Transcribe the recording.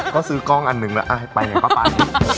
ก็ซื้อกล้องอันหนึ่งแล้วไปไงก็ไป